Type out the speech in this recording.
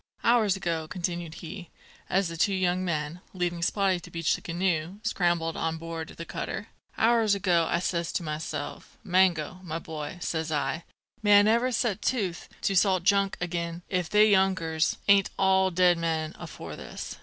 "Hours ago," continued he, as the two young men, leaving Spottie to beach the canoe, scrambled on board the cutter, "hours ago I says to myself, 'Mango, my boy,' says I, 'may I never set tooth to salt junk agin if they younkers ain't all dead men afore this.'